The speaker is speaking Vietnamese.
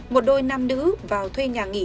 một đôi nam nữ vào thuê nhà nghỉ